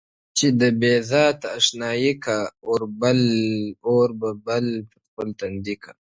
o چي د بې ذاته اشنايي کا، اور به بل پر خپل تندي کا.